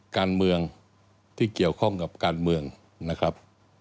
การเมืองที่เกี่ยวข้องกับการเมืองนะครับ